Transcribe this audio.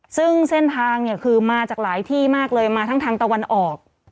ซึ่งเส้นทางเนี่ยคือมาจากหลายที่มากเลยมาทั้งทางตะวันออก